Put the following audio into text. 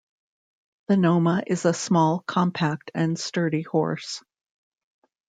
The Noma is a small, compact and sturdy horse.